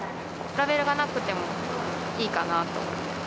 ラベルがなくてもいいかなと。